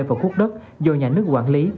vào khuất đất do nhà nước quản lý